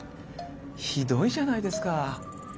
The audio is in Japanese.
ひどいじゃないですか。